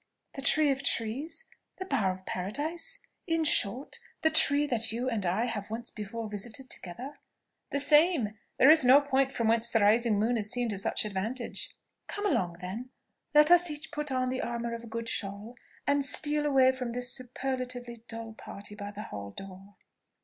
The tree of trees? the bower of paradise? in short, the tree that you and I have once before visited together?" "The same. There is no point from whence the rising moon is seen to such advantage." "Come along, then; let us each put on the armour of a good shawl, and steal away from this superlatively dull party by the hall door."